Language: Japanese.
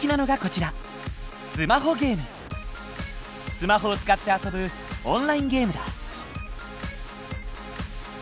スマホを使って遊ぶオンラインゲームだ。